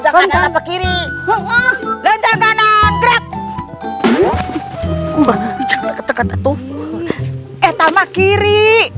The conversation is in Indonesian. lencang kanan atau kiri